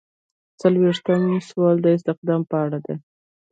څلویښتم سوال د استخدام په اړه دی.